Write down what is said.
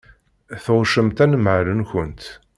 Tɣuccemt anemhal-nkent.